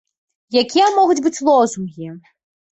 Якія могуць быць лозунгі?